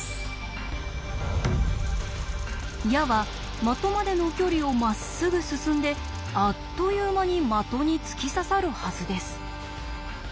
矢は的までの距離をまっすぐ進んであっという間に的に突き刺さるはずです。